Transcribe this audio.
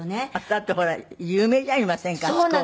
だってほら有名じゃありませんかあそこは。